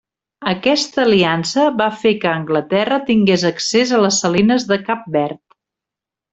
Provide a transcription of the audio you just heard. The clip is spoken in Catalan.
Aquesta aliança va fer que Anglaterra tingués accés a les salines de Cap Verd.